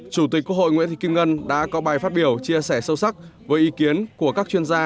chủ tịch quốc hội nguyễn thị kim ngân đã có bài phát biểu chia sẻ sâu sắc với ý kiến của các chuyên gia